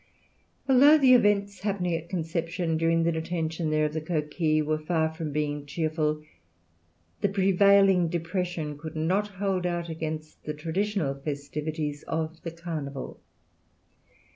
Although the events happening at Conception during the detention there of the Coquille were far from being cheerful, the prevailing depression could not hold out against the traditional festivities of the Carnival.